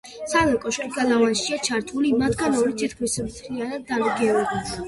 სამივე კოშკი გალავანშია ჩართული, მათგან ორი თითქმის მთლიანად დანგრეულია.